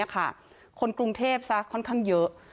คนกรุงเทพซะค่อนข้างเยอะ